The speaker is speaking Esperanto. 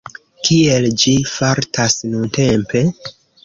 Kiel ĝi fartas nuntempe?